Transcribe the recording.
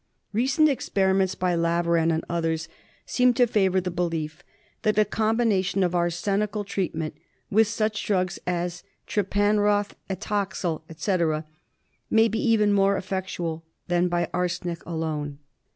Recent experiments by Laveran and others seem to favour the belief that a combination of arsenical treatment with such drugs as trypanroth, atoxyl, etc., may be even more effectual than that by arsenic alone.